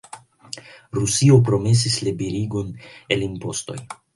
Rusio promesis liberigon el impostoj.